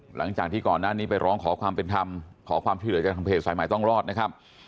หลังจากที่ก่อนหน้านี้ไปร้องขอความเป็นธรรมขอความช่วยเหลือจากทางเพจสายใหม่ต้องรอดนะครับ